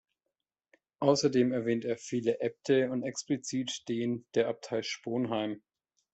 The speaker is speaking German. Außerdem erwähnt er „viele Äbte“ und explizit den der Abtei Sponheim.